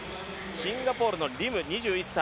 シンガポールのリム、２１歳。